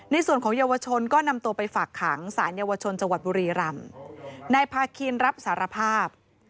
ในส่วนของเยาวชนก็นำตัวไปฝากขังสารเยาวชนจังหวัดบุรีรำนายพาคินรับสารภาพ